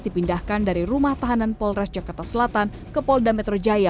dipindahkan dari rumah tahanan polres jakarta selatan ke polda metro jaya